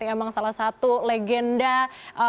emang salah satu legenda film